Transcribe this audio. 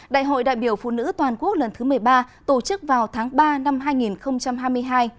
đại hội đại biểu phụ nữ toàn quốc lần thứ một mươi ba tổ chức vào tháng ba năm hai nghìn hai mươi hai